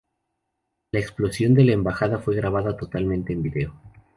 La explosión de la Embajada fue grabada totalmente en video.